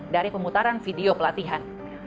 dari pemutaran video pelatihan